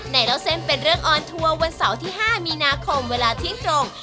เล่าเส้นเป็นเรื่องออนทัวร์วันเสาร์ที่๕มีนาคมเวลาเที่ยงตรง